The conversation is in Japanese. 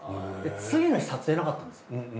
次の日撮影なかったんです。